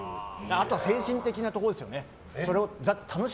あとは精神的なところですよね。